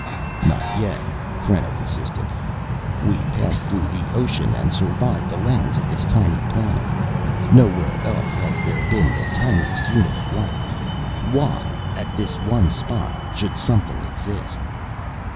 "Not yet," Creno insisted. "We passed through the ocean and surveyed the lands of this tiny planet. Nowhere else has there been the tiniest unit of life. Why at this one spot should something exist?"